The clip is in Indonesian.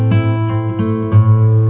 terima kasih ya mas